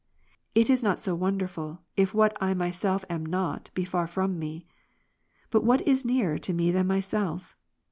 It is not so wonderful, if what I myself am not, be far from me. But what is nearer to me^than myself